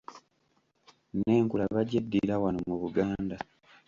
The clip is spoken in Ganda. N’Enkula bagyeddira wano mu Buganda.